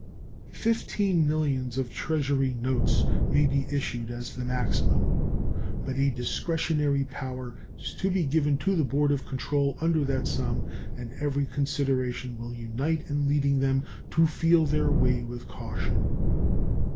Fifteen millions of Treasury notes may be issued as the maximum, but a discretionary power is to be given to the board of control under that sum, and every consideration will unite in leading them to feel their way with caution.